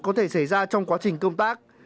có thể xảy ra trong quá trình công tác